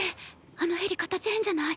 あのヘリ形変じゃない？